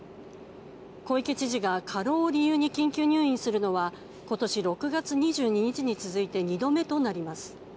小池知事が過労を理由に緊急入院するのは今年６月２２日に続いて２度目となります。